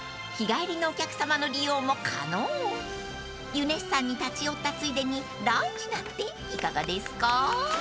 ［ユネッサンに立ち寄ったついでにランチなんていかがですか？］